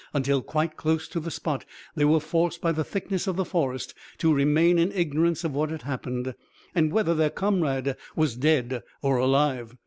Until quite close to the spot, they were forced, by the thickness of the forest, to remain in ignorance of what had happened, and whether their comrade was dead or alive.